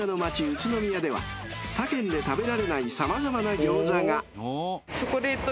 宇都宮では他県で食べられない様々な餃子が］